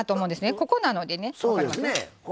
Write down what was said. ここなのでね。